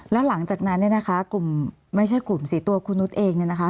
แล้วหลังจากนั้นเนี่ยนะคะกลุ่มไม่ใช่กลุ่มสิตัวคุณนุษย์เองเนี่ยนะคะ